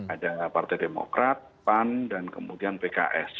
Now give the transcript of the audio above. ada partai demokrat pan dan kemudian pks